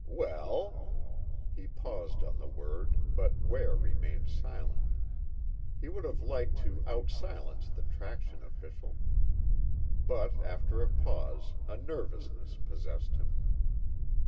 "Well...." He paused on the word but Ware remained silent. He would have liked to out silence the traction official but after a pause, a nervousness possessed him.